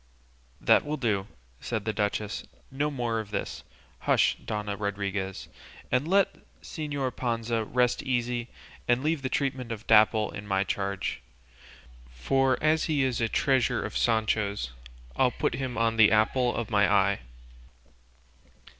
"That will do," said the duchess; "no more of this; hush, Dona Rodriguez, and let Señor Panza rest easy and leave the treatment of Dapple in my charge, for as he is a treasure of Sancho's, I'll put him on the apple of my eye."